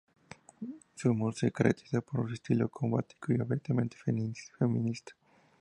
Su humor se caracteriza por su estilo combativo y abiertamente feminista.